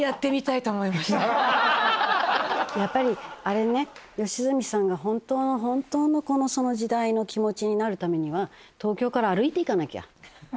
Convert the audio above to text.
やっぱりあれね良純さんが本当の本当のその時代の気持ちになるためには東京から歩いて行かなきゃ。